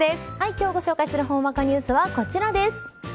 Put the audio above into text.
今日ご紹介するほんわかニュースはこちらです。